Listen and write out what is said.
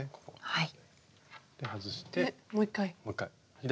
はい。